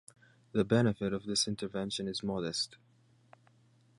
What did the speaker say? The benefit of this intervention is modest.